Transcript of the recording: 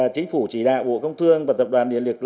chính phủ chỉ đạo bộ công thương và tập đoàn điện lực